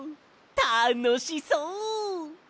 たのしそう！